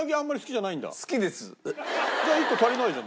じゃあ１個足りないじゃん。